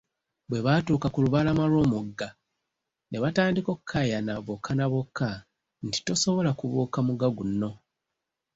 Bwe baatuuka ku lubalama lw'omugga, ne batandika okukaayana bokka na bokka nti, tosobola kubuuka mugga guno!